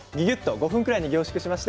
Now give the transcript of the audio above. ５分くらいに凝縮しています。